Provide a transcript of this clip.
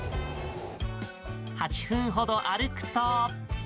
８分ほど歩くと。